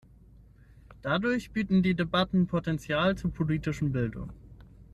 Dadurch bieten die Debatten Potential zur politischen Bildung.